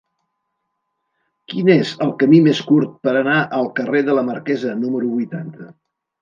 Quin és el camí més curt per anar al carrer de la Marquesa número vuitanta?